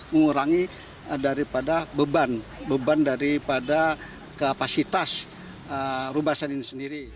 mengurangi daripada beban beban daripada kapasitas rubasan ini sendiri